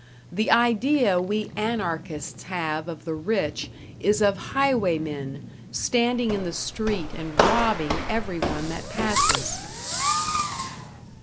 The idea we Anarchists have of the rich is of highwaymen, standing in the street and robbing every one that passes.